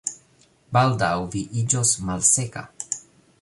Baldaŭ vi iĝos malseka